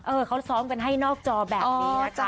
เออเขาซ้อมกันให้นอกจอแบบนี้แหละค่ะอ๋อจ้า